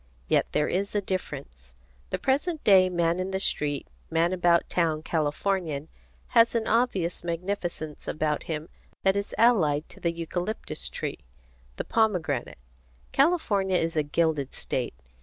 Yet there is a difference. The present day man in the street, man about town Californian has an obvious magnificence about him that is allied to the eucalyptus tree, the pomegranate. California is a gilded state.